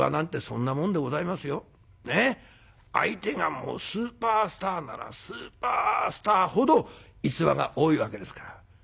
相手がもうスーパースターならスーパースターほど逸話が多いわけですから。